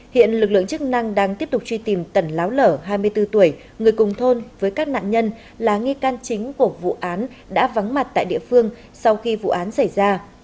hiện lực lượng chức năng đang tiếp tục truy tìm tẩn láo lở hai mươi bốn tuổi người cùng thôn với các nạn nhân là nghi can chính của vụ án đã vắng mặt tại địa phương sau khi vụ án xảy ra